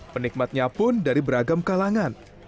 penikmatnya pun dari beragam kalangan